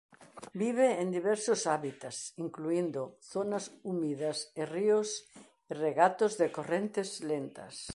Vive en diversos hábitats incluíndo zonas húmidas e ríos e regatos de correntes lentas.